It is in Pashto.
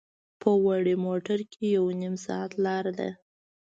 په وړې موټر کې یو نیم ساعت لاره ده.